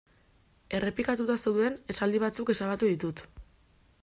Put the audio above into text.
Errepikatuta zeuden esaldi batzuk ezabatu ditut.